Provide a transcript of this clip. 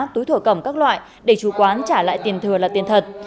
túi thổ cẩm các loại để chủ quán trả lại tiền thừa là tiền thật